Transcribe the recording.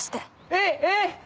「えっ？えっ？」